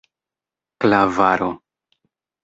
klavaro